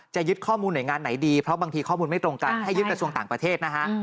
ยึดข้อมูลหน่วยงานไหนดีเพราะบางทีข้อมูลไม่ตรงกันให้ยึดกระทรวงต่างประเทศนะฮะ